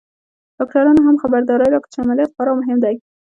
ډاکترانو هم خبرداری راکړ چې عمليات خورا مهم دی.